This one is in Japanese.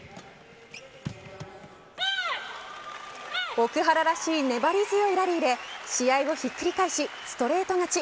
奥原らしい粘り強いラリーで試合をひっくり返しストレート勝ち。